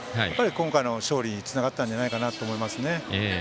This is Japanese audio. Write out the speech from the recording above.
今回の勝利につながったんじゃないかなと思いますね。